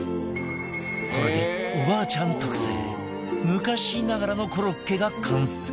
これでおばあちゃん特製昔ながらのコロッケが完成